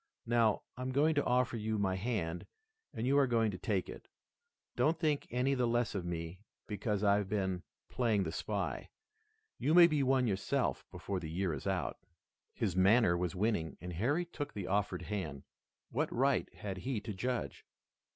Now, I'm going to offer you my hand and you are going to take it. Don't think any the less of me because I've been playing the spy. You may be one yourself before the year is out." His manner was winning, and Harry took the offered hand. What right had he to judge?